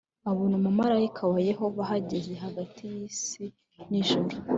abona umumarayika wa Yehova ahagaze hagati y isi n ijuru